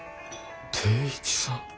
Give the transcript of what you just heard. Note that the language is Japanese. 定一さん。